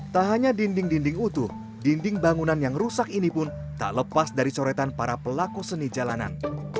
tak hanya dinding dinding utuh dinding bangunan yang rusak ini pun tak lepas dari coretan para pelaku seni jalanan